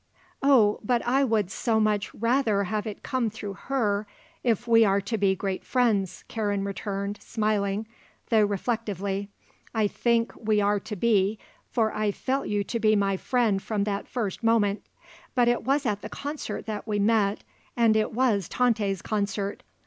"Oh, but I would so much rather have it come through her, if we are to be great friends," Karen returned, smiling, though reflectively. "I think we are to be, for I felt you to be my friend from that first moment. But it was at the concert that we met and it was Tante's concert.